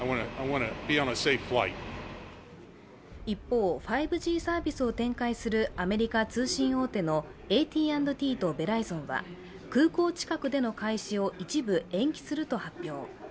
一方、５Ｇサービスを展開するアメリカ通信大手のＡＴ＆Ｔとベライゾンは空港近くでの開始を一部延期すると発表。